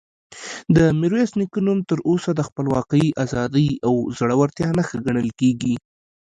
د میرویس نیکه نوم تر اوسه د خپلواکۍ، ازادۍ او زړورتیا نښه ګڼل کېږي.